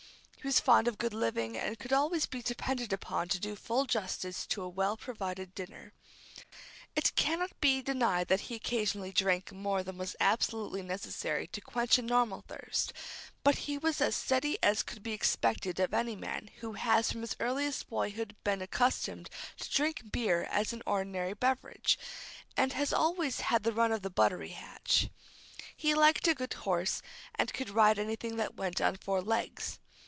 He was fond of good living, and could always be depended upon to do full justice to a well provided dinner. It cannot be denied that he occasionally drank more than was absolutely necessary to quench a normal thirst, but he was as steady as could be expected of any man who has from his earliest boyhood been accustomed to drink beer as an ordinary beverage, and has always had the run of the buttery hatch. He liked a good horse, and could ride anything that went on four legs.